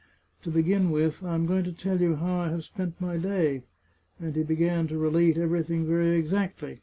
To begin with, I am going to tell you how I have spent my day." And he began to relate everything very exactly.